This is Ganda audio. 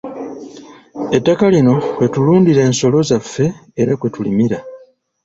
Ettaka lino kwe tulundira ensolo zaffe era kwe tulimira.